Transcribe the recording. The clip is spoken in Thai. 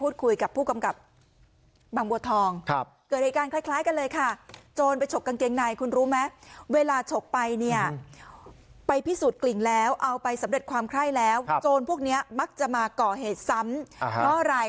โดยลุยสำเร็จความคร่ายแล้วโจรพวกนี้มักจะมาเกาะเหตุซ้ำ